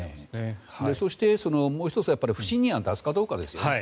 そして、もう１つは不信任案を出すかどうかですよね。